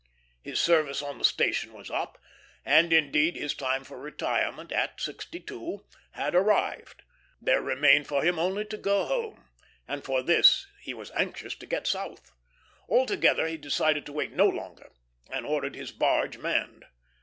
His service on the station was up, and, indeed, his time for retirement, at sixty two, had arrived; there remained for him only to go home, and for this he was anxious to get south. Altogether, he decided to wait no longer, and ordered his barge manned.